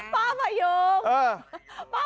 พ่อพยุง